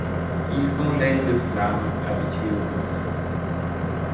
Ils ont l'aile de flamme habituée au gouffre.